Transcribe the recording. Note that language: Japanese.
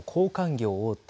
業大手